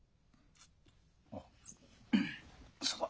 あっそうだ。